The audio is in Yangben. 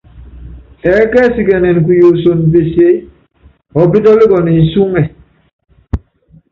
Ɛɛkɛsikɛnɛnɛ kuyosono peseé, ɔpítɔ́likɔnɔ ncúŋɛ.